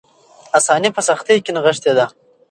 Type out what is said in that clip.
آساني په سختۍ کې نغښتې ده.